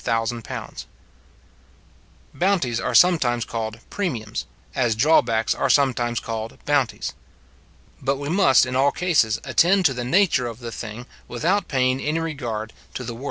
Bounties are sometimes called premiums, as drawbacks are sometimes called bounties. But we must, in all cases, attend to the nature of the thing, without paying any regard to the word.